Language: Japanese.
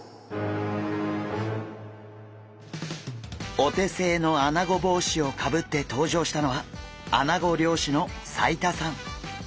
お手製のアナゴ帽子をかぶって登場したのはアナゴ漁師の齋田さん。